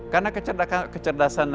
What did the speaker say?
karena kecerdasan lainnya